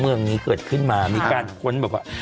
เมืองนี้เกิดขึ้นมามีการค้นแบบว่า